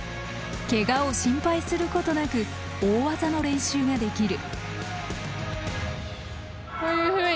ケガを心配することなく大技の練習ができる。